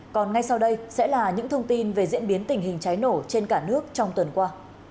còn ngay sau đây sẽ là những thông tin về diễn biến tình hình cháy nổ trên cả nước trong tuần qua